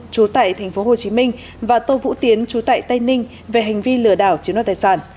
chú tại tp hcm và tô vũ tiến chú tại tây ninh về hành vi lừa đảo chiếm đoạt tài sản